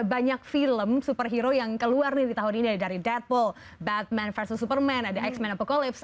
banyak film superhero yang keluar nih di tahun ini dari deadpool batman vs superman ada x apocalypse